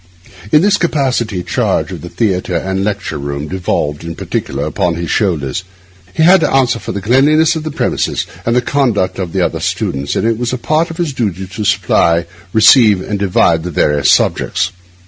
In this capacity the charge of the theatre and lecture room devolved in particular upon his shoulders. He had to answer for the cleanliness of the premises and the conduct of the other students, and it was a part of his duty to supply, receive, and divide the various subjects.